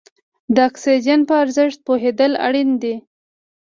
د اکسیجن په ارزښت پوهېدل اړین دي.